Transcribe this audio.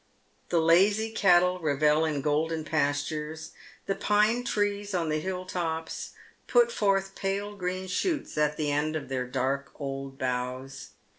The lazy cattle revel in golden pastures ; the pine trees on the hill tcps put forth pale green shoots at the ends of their dark old boughs.